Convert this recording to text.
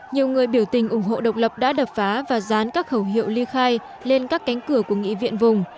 nhiều người biểu tình ủng hộ độc lập đã đập phá và dán các khẩu hiệu ly khai lên các cánh cửa của nghị viện vùng